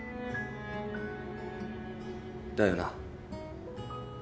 だよな。